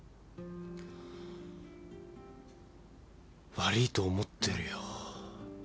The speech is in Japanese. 悪ぃと思ってるよ。